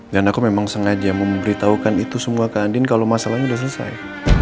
dan aku memang sengaja memberitahukan itu semua ke andien kalau masalahnya sudah selesai